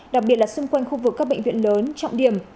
đặc biệt là xung quanh khu vực các bệnh viện lớn trọng điểm